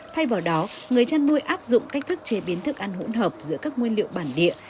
thay vào đó người chăn nuôi áp dụng cách thức chế biến thức ăn hỗn hợp giữa các nguyên liệu bản địa